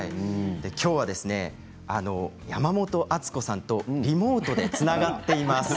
きょうは山本敦子さんとリモートでつながっています。